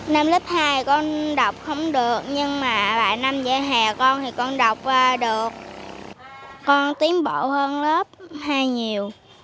năm lớp hai con đọc không được nhưng mà vài năm về hè con thì con đọc được con tiến bộ hơn lớp hai nhiều